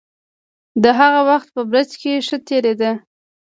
د هغه وخت په برج کې ښه تېرېده.